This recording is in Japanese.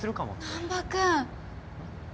難破君。